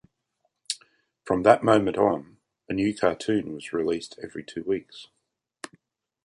From that moment on, a new cartoon was released every two weeks.